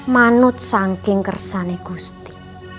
manut sangking kersane gusti